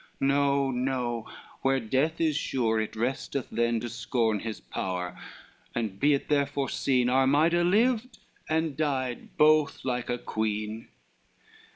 No, no, where death is sure, it resteth then To scorn his power and be it therefore seen, Armida lived, and died, both like a queen."